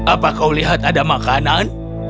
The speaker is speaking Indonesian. apa kau lihat ada makanan